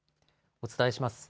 お伝えします。